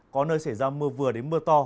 có nơi xảy ra mưa vừa đến mưa to